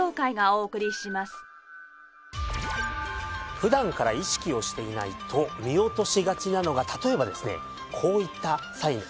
普段から意識をしていないと見落としがちなのが例えばですねこういったサインです。